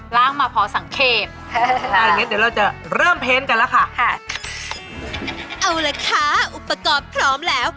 ล้างมาพอสังเกตอ่าอย่างงั้นเดี๋ยวเราจะเริ่มเพ้นกันแล้วค่ะค่ะเอาละค่ะอุปกรณ์พร้อมแล้ว